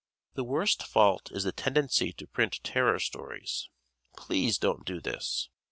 The worst fault is the tendency to print terror stories. Please don't do this.